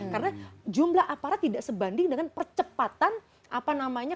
karena jumlah aparat tidak sebanding dengan percepatan apa namanya